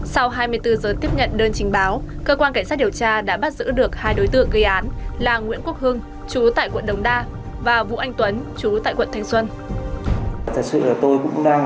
sau hai mươi bốn giờ tiếp nhận đơn trình báo cơ quan cảnh sát điều tra đã bắt giữ được hai đối tượng gây án là nguyễn quốc hưng chú tại quận đồng đa và vũ anh tuấn chú tại quận thanh xuân